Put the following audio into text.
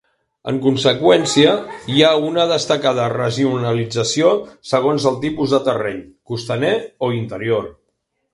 En conseqüència, hi ha una destacada regionalització segons el tipus de terreny, costaner o interior.